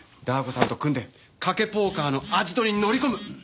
ダー子さんと組んで賭けポーカーのアジトに乗り込む。